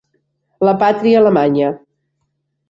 La pàtria alemanya